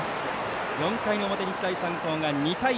４回の表、日大三高が２対０。